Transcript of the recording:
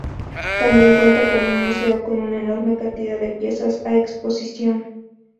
Tambien cuenta con un museo con una enorme cantidad de piezas a exposición.